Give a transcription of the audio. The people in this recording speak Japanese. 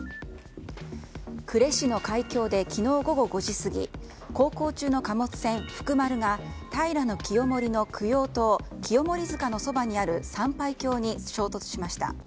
呉市の海峡で昨日午後５時過ぎ航行中の貨物船「福丸」が平清盛の供養塔清盛塚のそばにある参拝教に衝突しました。